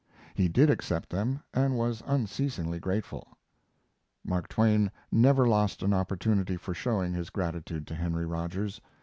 He did accept them and was unceasingly grateful. [Mark Twain never lost an opportunity for showing his gratitude to Henry Rogers.